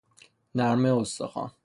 نرمه استخوان